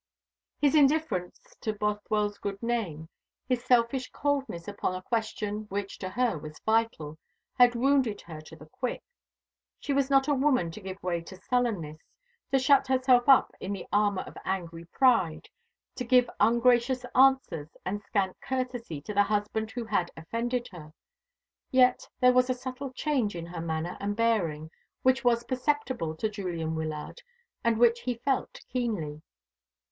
His indifference to Bothwell's good name, his selfish coldness upon a question which to her was vital, had wounded her to the quick. She was not a woman to give way to sullenness, to shut herself up in the armour of angry pride, to give ungracious answers and scant courtesy to the husband who had offended her. Yet there was a subtle change in her manner and bearing which was perceptible to Julian Wyllard, and which he felt keenly.